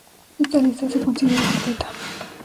Esta lista se considera completa.